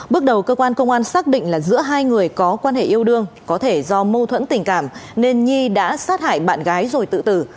bước đầu cơ quan công an xác định là giữa hai người có quan hệ yêu đương có thể do mâu thuẫn tình cảm nên nhi đã sát hại bạn gái rồi tự tử